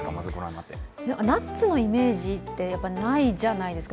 ナッツのイメージってないじゃないですか。